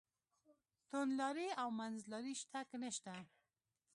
توندلاري او منځلاري شته که نشته.